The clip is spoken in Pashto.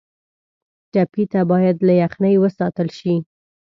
ټپي ته باید له یخنۍ وساتل شي.